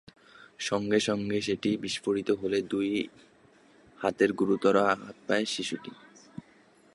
সঙ্গে সঙ্গে সেটি বিস্ফোরিত হলে দুই হাতে গুরুতর আঘাত পায় শিশুটি।